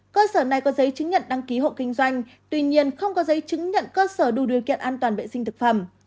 cơ sở này có giấy chứng nhận đăng ký hộ kinh doanh tuy nhiên không có giấy chứng nhận cơ sở đủ điều kiện an toàn vệ sinh thực phẩm